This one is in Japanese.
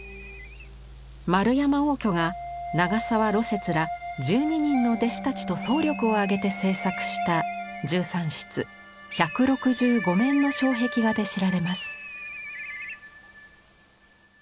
円山応挙が長沢芦雪ら１２人の弟子たちと総力を挙げて制作した１３室１６５面の障壁画で知られます。